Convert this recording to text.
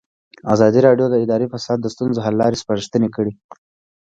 ازادي راډیو د اداري فساد د ستونزو حل لارې سپارښتنې کړي.